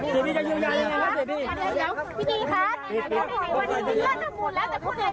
ชิมีค่ะชิมีค่ะ